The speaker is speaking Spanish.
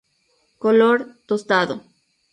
Color: tostado.